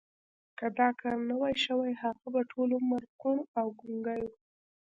که دا کار نه وای شوی هغه به ټول عمر کوڼ او ګونګی و